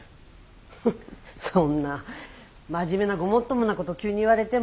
フッそんな真面目なごもっともなこと急に言われても。